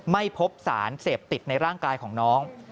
ไม่พบสารเสพติดในร่างกายของน้อง